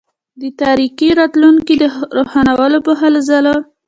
د تاریکي راتلونکي د روښانولو په هلوځلو.